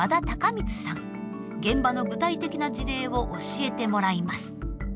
現場の具体的な事例を教えてもらいます。